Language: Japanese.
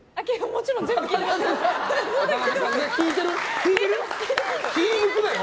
もちろん全部聞いていますよ！